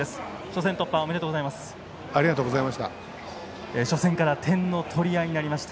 初戦突破おめでとうございます。